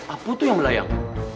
aku tuh yang melayang